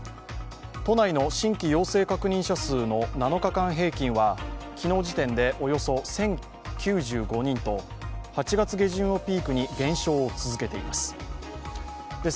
都内の新規陽性確認者数の７日間平均は昨日時点で、およそ１０９５人と８月下旬をピークに減少を続けています。